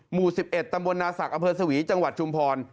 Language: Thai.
หมู่๑๑ตำบลนาศักดิ์อำเภอสวีจังหวัดชุมพร